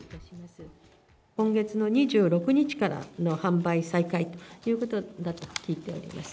今月の２６日からの販売再開ということだと聞いております。